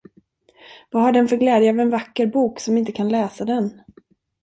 Vad har den för glädje av en vacker bok, som inte kan läsa den.